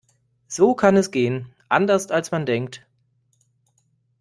So kann es gehen. Anderst als man denkt.